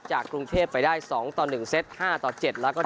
จากกรุงเทพไปได้๒ต่อ๑เซต๕ต่อ๗ละก็๗ต่อ๕